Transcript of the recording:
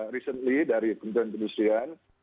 recently dari pemerintahan industrian